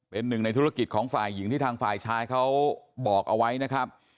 เป็นหนึ่งในธุรกิจของฝ่ายหญิงที่ทางฝ่ายชายเขาบอกเอาไว้นะครับ